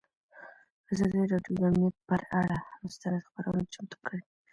ازادي راډیو د امنیت پر اړه مستند خپرونه چمتو کړې.